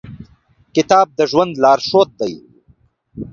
کتاب د ژوند لارښود دی.